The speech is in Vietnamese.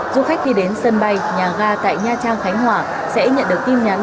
du khách khi đến sân bay nhà ga tại nha trang khánh hòa sẽ nhận được tin nhắn